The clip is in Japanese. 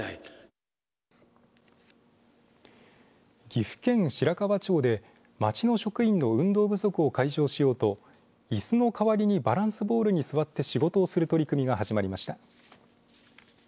岐阜県白川町で町の職員の運動不足を解消しようといすの代わりにバランスボールに座って仕事をする取り組みが始まりました。